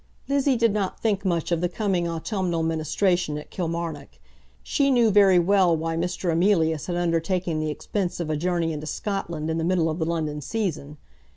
Lizzie did not think much of the coming autumnal ministration at Kilmarnock. She knew very well why Mr. Emilius had undertaken the expense of a journey into Scotland in the middle of the London season.